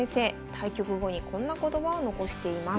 対局後にこんな言葉を残しています。